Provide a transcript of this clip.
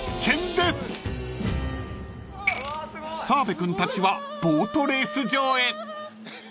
［澤部君たちはボートレース場へ］